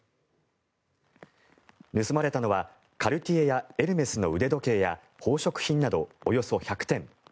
盗まれたのはカルティエやエルメスの腕時計や宝飾品などおよそ１００点